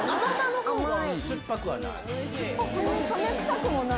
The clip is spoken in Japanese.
酸っぱくはない。